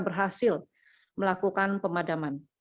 berhasil melakukan pemadaman